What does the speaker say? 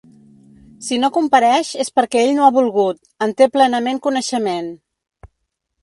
Si no compareix és perquè ell no ha volgut, en té plenament coneixement.